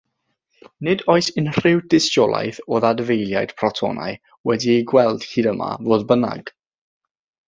Nid oes unrhyw dystiolaeth o ddadfeiliad protonau wedi'i gweld hyd yma, fodd bynnag.